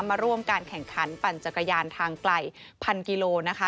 มาร่วมการแข่งขันปั่นจักรยานทางไกลพันกิโลนะคะ